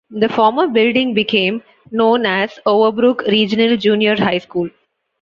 The former building became known as Overbrook Regional Junior High School.